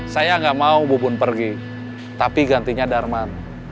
saya nggak mau bubun pergi tapi gantinya darman